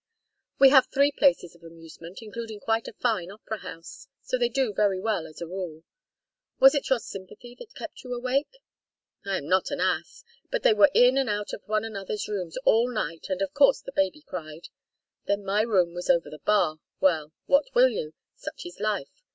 We have three places of amusement, including quite a fine opera house, so they do very well, as a rule. Was it your sympathy that kept you awake?" "I am not an ass. But they were in and out of one another's rooms all night, and of course the baby cried. Then my room was over the bar well, what will you? Such is life.